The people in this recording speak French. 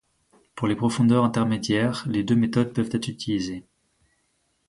Pour les profondeurs intermédiaires, les deux méthodes peuvent être utilisées.